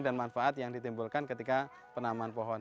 dan manfaat yang ditimbulkan ketika penanaman pohon